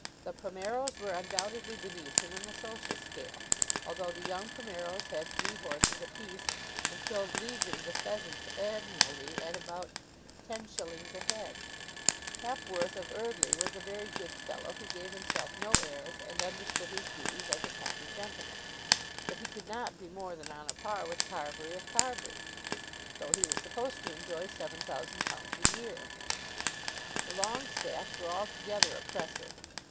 The Primeros were undoubtedly beneath him in the social scale, although the young Primeros had three horses apiece, and killed legions of pheasants annually at about 10_s_. a head. Hepworth of Eardly was a very good fellow, who gave himself no airs and understood his duties as a country gentleman; but he could not be more than on a par with Carbury of Carbury, though he was supposed to enjoy £7,000 a year. The Longestaffes were altogether oppressive.